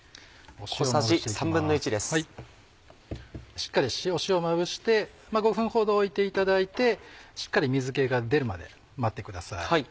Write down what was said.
しっかり塩をまぶして５分ほど置いていただいてしっかり水気が出るまで待ってください。